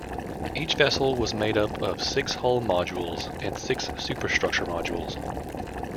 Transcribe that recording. Each vessel was made up of six hull modules and six superstructure modules.